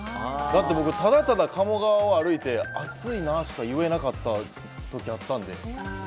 だって僕ただただ鴨川を歩いて暑いなしか言えなかった時あったんで。